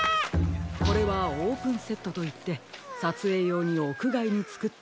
これはオープンセットといってさつえいようにおくがいにつくったたてものです。